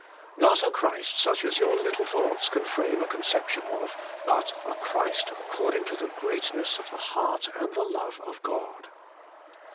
Not a Christ such as your little thoughts can frame a con ception of, but a Christ according to the greatness of the heart and the love of God.